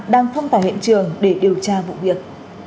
đang thông tỏ hiện trường để điều tra vụ việc